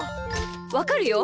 わかるよ。